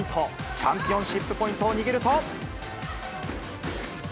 チャンピオンシップポイントを握ると。